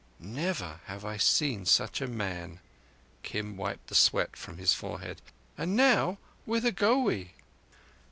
"Never have I seen such a man." Kim wiped the sweat from his forehead. "And now, whither go we?"